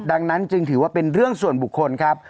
ดังนั้นจึงถือว่าเป็นเรื่องส่วนบุคคลครับ